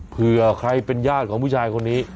เผื่อใครเป็นญาติของผู้ชายคนนี้